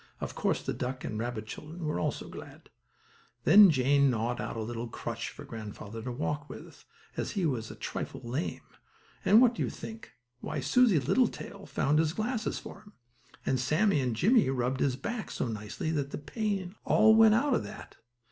Of course the duck and rabbit children also were glad. Then Jane gnawed out a little crutch for grandfather to walk with, as he was a trifle lame, and what do you think? Why, Susie Littletail found his glasses for him; and Sammie and Jimmie rubbed his back so nicely that the pain all went out of that.